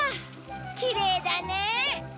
きれいだね！